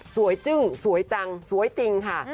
จึ้งสวยจังสวยจริงค่ะ